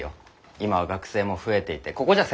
今は学生も増えていてここじゃ狭すぎるんだ。